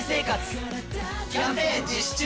キャンペーン実施中！